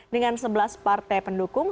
dengan sebelas partai pendukung